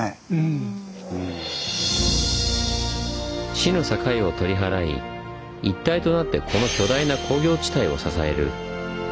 市の境を取り払い一体となってこの巨大な工業地帯を支える。